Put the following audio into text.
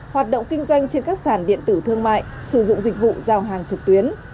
hoạt động kinh doanh trên các sàn điện tử thương mại sử dụng dịch vụ giao hàng trực tuyến